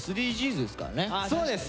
ＳＤＧｓですからね。